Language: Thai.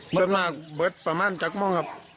เบิดมาเบิดประมาณจักรม่องครับ